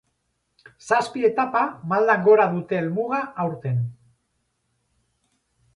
Zazpi etapa maldan gora dute helmuga aurten.